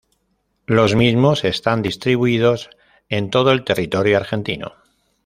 Los mismos están distribuidos en todo el territorio Argentino.